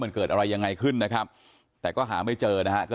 มันเกิดอะไรยังไงขึ้นนะครับแต่ก็หาไม่เจอนะฮะคือ